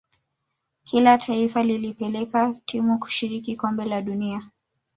kila taifa lilipeleka timu kushiriki kombe la dunia